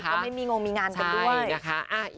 ก็ไม่มีงงมีงานกันด้วยนะคะ